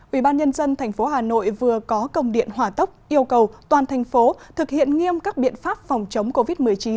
ủy ban nhân dân tp hà nội vừa có công điện hỏa tốc yêu cầu toàn thành phố thực hiện nghiêm các biện pháp phòng chống covid một mươi chín